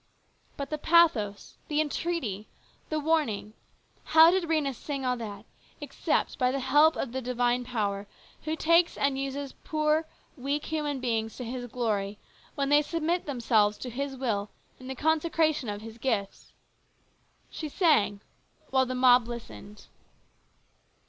But the pathos, the entreaty, the warning, how did Rhena sing all that except by the help of the divine Power who takes and uses poor, weak human beings to His glory when they submit themselves to His will in the consecration of His gifts ? She sang while the mob listened